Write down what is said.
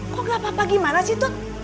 kok gak apa apa gimana sih tut